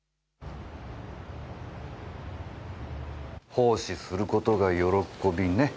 奉仕する事が喜びね。